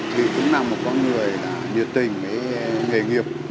thì cũng là một con người nhiệt tình với nghề nghiệp